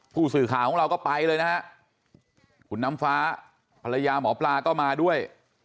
ผู้สื่อข่าวของเราก็ไปเลยนะฮะคุณน้ำฟ้าภรรยาหมอปลาก็มาด้วย